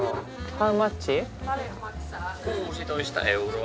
ハウマッチ？